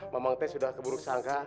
memang t sudah keburuk sangka